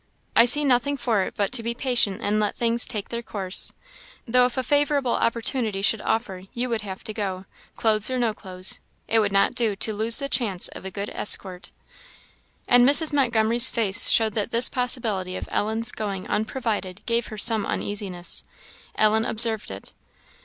I see nothing for it but to be patient and let things take their course though, if a favourable opportunity should offer, you would have to go, clothes or no clothes; it would not do to lose the chance of a good escort." And Mrs. Montgomery's face showed that this possibility of Ellen's going unprovided gave her some uneasiness. Ellen observed it.